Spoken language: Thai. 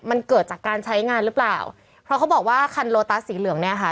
มันเกิดจากการใช้งานหรือเปล่าเพราะเขาบอกว่าคันโลตัสสีเหลืองเนี่ยค่ะ